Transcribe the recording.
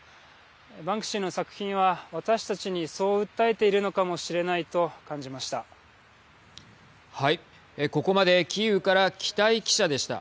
バンクシーの作品は私たちにそう訴えているのかもしれないと感じました。